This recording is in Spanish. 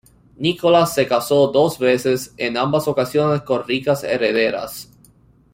Nicolás se casó dos veces, en ambas ocasiones con ricas herederas.